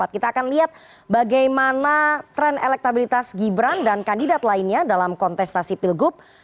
kita akan lihat bagaimana tren elektabilitas gibran dan kandidat lainnya dalam kontestasi pilgub